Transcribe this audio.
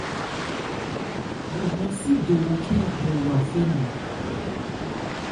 Wo hɔn sídowo khɛ́n a phrɛ wa fé nne.